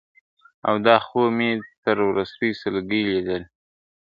او دا خوب مي تر وروستۍ سلګۍ لیدلای ..